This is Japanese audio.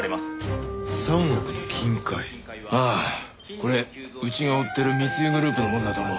これうちが追ってる密輸グループのものだと思う。